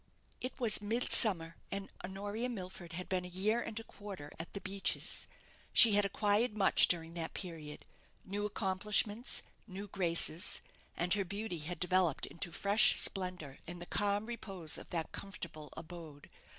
It was midsummer, and Honoria Milford had been a year and a quarter at "The Beeches." She had acquired much during that period; new accomplishments, new graces; and her beauty had developed into fresh splendour in the calm repose of that comfortable abode.